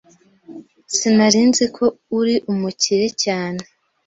Sinari nzi ko uri umukire cyane.